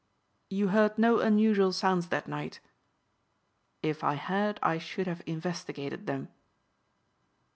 "You heard no unusual sounds that night?" "If I had I should have investigated them."